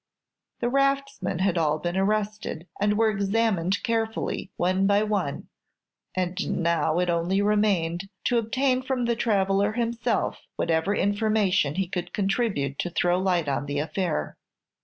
The raftsmen had all been arrested, and were examined carefully, one by one; and now it only remained to obtain from the traveller himself whatever information he could contribute to throw light on the affair.